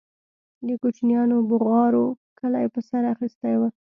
د كوچنيانو بوغارو كلى په سر اخيستى و.